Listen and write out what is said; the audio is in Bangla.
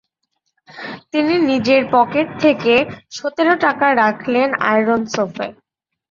তিনি নিজের পকেট থেকে সতেরো টাকা রাখলেন আয়রন সোফে।